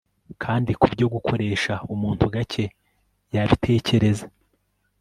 Kandi kubyo gukoresha umuntu gake yabitekereza